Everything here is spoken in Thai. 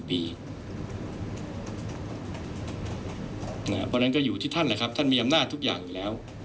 เพราะฉะนั้นก็อยู่ที่ท่านแหละครับท่านมีอำนาจทุกอย่างอยู่แล้ว